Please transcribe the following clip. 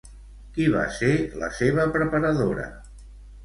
Qui va ser la seva preparadora?